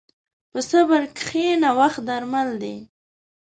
په صبر کښېنه، وخت درمل دی.